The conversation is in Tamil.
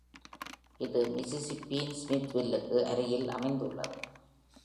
இது மிசிசிப்பியின் ஸ்மித்வில்லுக்கு அருகில் அமைந்துள்ளது.